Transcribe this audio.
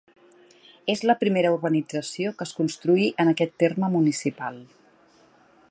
És la primera urbanització que es construí en aquest terme municipal.